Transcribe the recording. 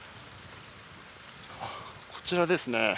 こちらですね。